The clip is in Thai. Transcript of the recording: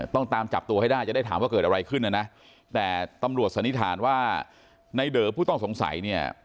ตามจับตัวให้ได้จะได้ถามว่าเกิดอะไรขึ้นนะนะแต่ตำรวจสันนิษฐานว่าในเดอผู้ต้องสงสัยเนี่ย